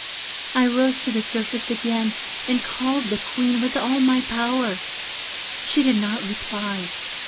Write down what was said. I rose to the surface again, and called the Queen with all my power. She did not reply.